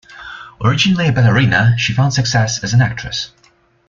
Originally a ballerina, she found success as an actress.